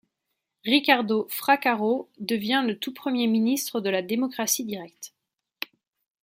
Riccardo Fraccaro devient le tout premier ministre de la démocratie directe.